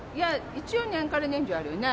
一応、年がら年中あるよね。